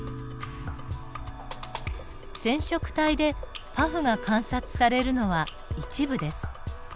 染色体でパフが観察されるのは一部です。